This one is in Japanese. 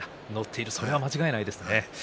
それは間違いないですね。